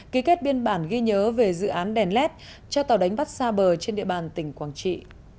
ký kết biên bản ghi nhớ về dự án đèn led cho tàu đánh bắt xa bờ trên địa bàn tỉnh quảng trị